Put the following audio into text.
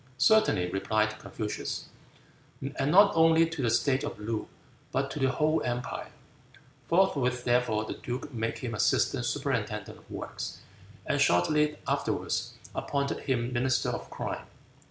"Certainly," replied Confucius, "and not only to the state of Loo, but to the whole empire." Forthwith, therefore, the duke made him Assistant Superintendent of Works, and shortly afterwards appointed him Minister of Crime.